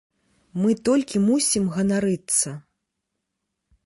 Мы толькі мусім ганарыцца.